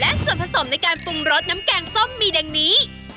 และส่วนผสมในการปรุงรสน้ำแกงส้มมีดังนี้